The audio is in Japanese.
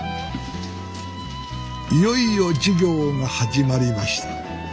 いよいよ授業が始まりました。